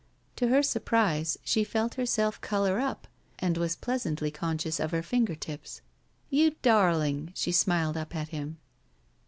To her surprise, she felt herself color up and was pleasantly conscious of her finger tips. "You darling!" She smiled up at him.